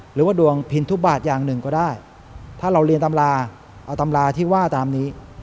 หรือดวงพินทุบาทอย่างหนึ่งก็ได้